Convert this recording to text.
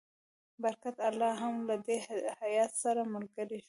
برکت الله هم له دې هیات سره ملګری شو.